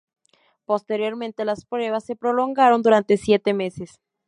Posteriormente, las pruebas se prolongaron durante siete meses.